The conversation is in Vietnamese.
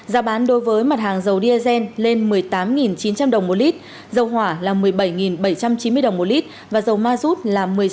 giá bán đối với mặt hàng dầu diesel lên một mươi tám chín trăm linh đồng một lít dầu hỏa là một mươi bảy bảy trăm chín mươi đồng một lít và dầu ma rút là một mươi sáu